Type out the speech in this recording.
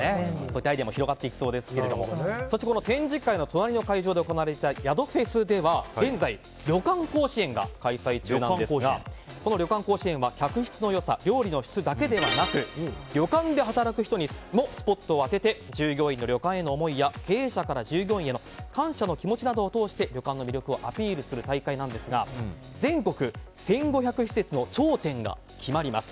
アイデアも広がっていきますがそして展示会の隣で行われた宿フェスでは現在、旅館甲子園が開催中なんですがこの旅館甲子園は客室の良さ、料理の質だけでなく旅館で働く人にもスポットを当てて従業員の旅館への思いや弊社から従業員への感謝の気持ちなどを通して旅館の魅力をアピールする大会ですが全国１５００施設の頂点が決まります。